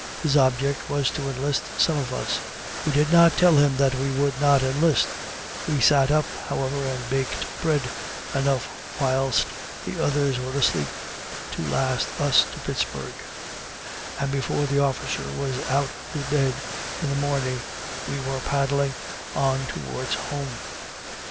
His object was to enlist some of us; we did not tell him that we would not enlist; we sat up however and baked bread enough whilst the others were asleep to last us to Pittsburg; and before the officer was out of his bed in the morning, we were paddling on towards home.